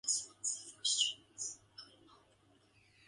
He took part in the two Battles of Schooneveld in June of that year.